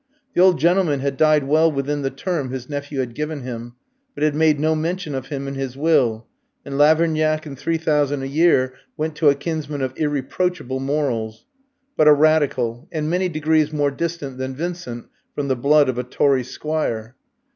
The old gentleman had died well within the term his nephew had given him, but had made no mention of him in his will, and "Lavernac and three thousand a year" went to a kinsman of irreproachable morals, but a Radical, and many degrees more distant than Vincent from the blood of a Tory squire.